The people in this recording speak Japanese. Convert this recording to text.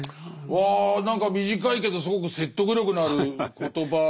わ何か短いけどすごく説得力のある言葉ですね。